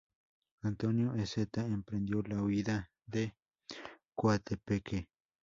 Antonio Ezeta emprendió la huida de Coatepeque.